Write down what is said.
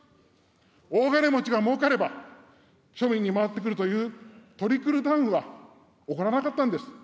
大金持ちがもうかれば、庶民に回ってくるというトリクルダウンは起こらなかったんです。